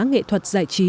nghệ thuật giải trí